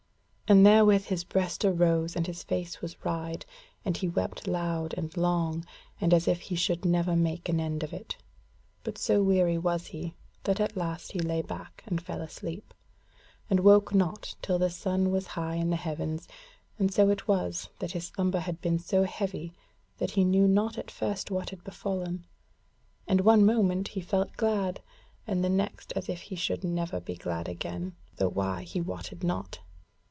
And therewith his breast arose and his face was wryed, and he wept loud and long, and as if he should never make an end of it. But so weary was he, that at last he lay back and fell asleep, and woke not till the sun was high in the heavens. And so it was, that his slumber had been so heavy, that he knew not at first what had befallen; and one moment he felt glad, and the next as if he should never be glad again, though why he wotted not.